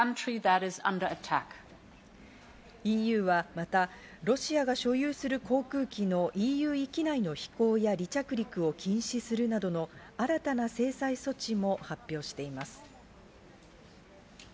ＥＵはまた、ロシアが所有する航空機のＥＵ域内の飛行や離着陸を禁止するなどの新たな制裁措置も発表しています。